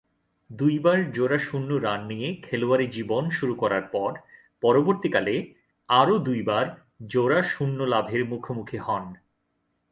দুইবার জোড়া শূন্য রান নিয়ে খেলোয়াড়ী জীবন শুরু করার পর পরবর্তীকালে আরও দুইবার জোড়া শূন্য লাভের মুখোমুখি হন।